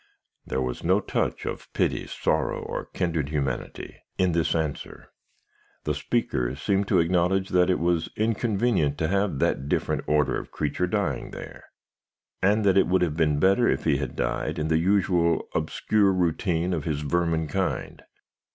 "There was no touch of pity, sorrow, or kindred humanity, in this answer. The speaker seemed to acknowledge that it was inconvenient to have that different order of creature dying there, and that it would have been better if he had died in the usual obscure routine of his vermin kind.